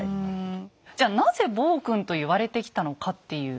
じゃなぜ「暴君」と言われてきたのかっていうことですよね。